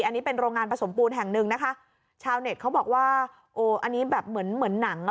อันนี้เป็นโรงงานผสมปูนแห่งหนึ่งนะคะชาวเน็ตเขาบอกว่าโอ้อันนี้แบบเหมือนเหมือนหนังอ่ะ